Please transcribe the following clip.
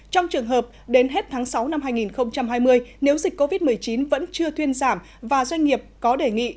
trong trường hợp đến hết tháng sáu năm hai nghìn hai mươi nếu dịch covid một mươi chín vẫn chưa thuyên giảm và doanh nghiệp có đề nghị